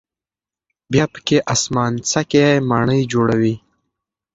بیا پکې آسمانڅکې ماڼۍ جوړوي.